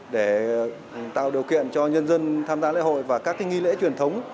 để tạo điều kiện cho nhân dân tham gia lễ hội và các nghi lễ truyền thống